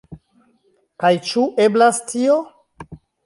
Kaj ĉu eblas tio?